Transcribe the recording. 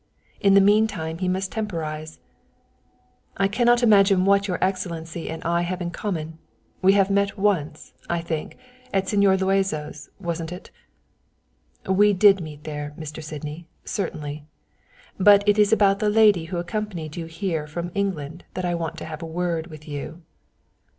In the mean time he must temporize. "I cannot imagine what your excellency and I can have in common. We have met once I think at Señor Luazo's, wasn't it?" "We did meet there, Mr. Sydney, certainly, but it is about the lady who accompanied you here from England that I want to have a word with you."